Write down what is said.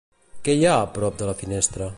Què hi ha prop de la finestra?